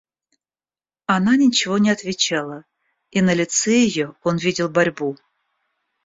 Она ничего не отвечала, и на лице ее он видел борьбу.